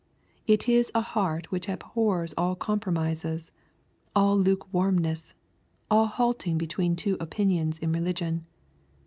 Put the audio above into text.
It is a heart which abhors all compromises, all luke warmness, all halting between two opinions in religion.